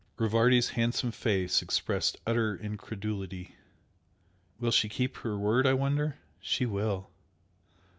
Rivardi's handsome face expressed utter incredulity. "Will she keep her word I wonder?" "She will!"